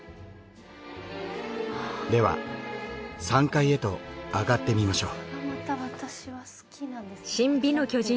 では３階へと上がってみましょう。